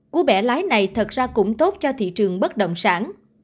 cú bẻ lái này thật ra cũng tốt cho thị trường bất động sản